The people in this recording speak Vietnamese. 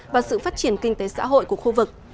và sự phát triển kinh tế xã hội của khu vực